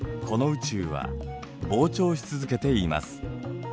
この宇宙は膨張し続けています。